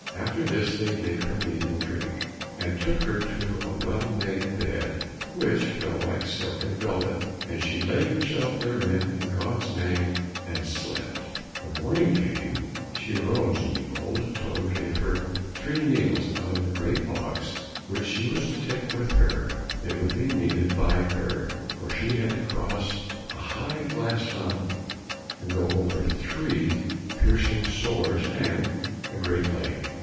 After this they gave her meat and drink, and took her to a well made bed, which felt like silk and velvet, and she laid herself therein, in God's name, and slept. When morning came she arose, and the old toad gave her three needles out of the great box which she was to take with her; they would be needed by her, for she had to cross a high glass mountain, and go over three piercing swords and a great lake.